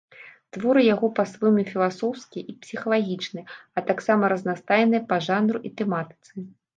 Творы яго па-свойму філасофскія і псіхалагічныя, а таксама разнастайныя па жанру і тэматыцы.